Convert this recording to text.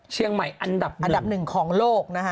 เชียงใหม่อันดับ๑ของโลกนะฮะ